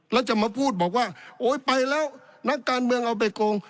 แล้วจะมาพูดบอกว่าโอ๊ยไปแล้วนักการเมืองเอาไปโกง